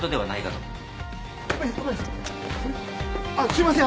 あっすいません